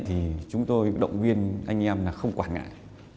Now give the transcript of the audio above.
thì chúng tôi động viên anh em là không quản ngại